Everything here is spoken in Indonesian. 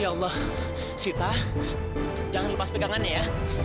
ya allah sita jangan lepas pegangannya ya